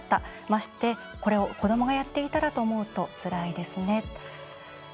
まして、これを子どもがやっていたらと思うとつらいですね。